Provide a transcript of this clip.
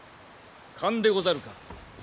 勘でござるか。